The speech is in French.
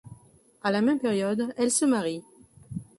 A la même période, elle se marie.